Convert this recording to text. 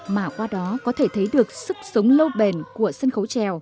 mà qua đó có thể thấy được sức sống lâu bền của sân khấu trèo